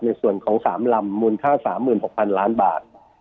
ในส่วนของ๓ลำมูลค่า๓๖๐๐๐ล้านบาท